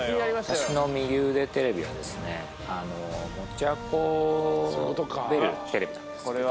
「私の右腕テレビ」は持ち運べるテレビなんですけど。